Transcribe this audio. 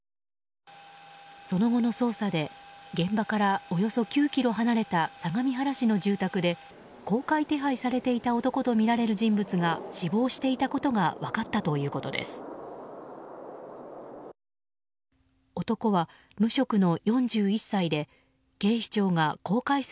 その後の捜査で現場からおよそ９ｋｍ離れた相模原市の住宅で公開手配されていた男とみられる人物が死亡していたことが分かったということです。